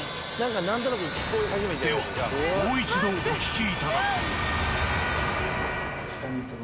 ではもう一度お聞きいただこう。